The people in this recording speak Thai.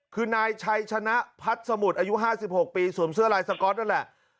คือนายชัยชนะพัฒน์สมุทรอายุ๕๖ปีสวมเสื้อลายสก๊อตนั่นแหละ